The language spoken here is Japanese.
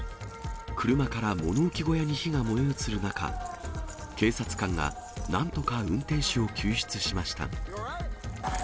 車から物置小屋に火が燃え移る中、警察官がなんとか運転手を救出しました。